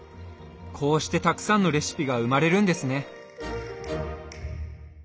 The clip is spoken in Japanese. こうしてたくさんのレシピが生まれるんですね。